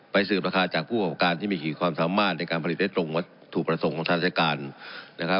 ไปสืบราคาจากผู้ประกอบการที่มีกี่ความสามารถในการผลิตได้ถูกประสงค์ของทหารจักรการ